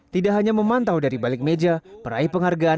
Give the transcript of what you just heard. tidak hanya memantau dari balik meja peraih penghargaan